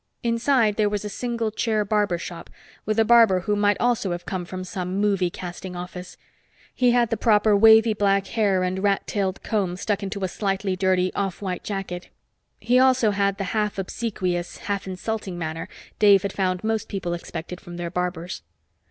Inside there was a single chair barber shop, with a barber who might also have come from some movie casting office. He had the proper wavy black hair and rat tailed comb stuck into a slightly dirty off white jacket. He also had the half obsequious, half insulting manner Dave had found most people expected from their barbers.